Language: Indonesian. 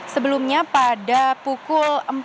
sebelumnya pada pukul empat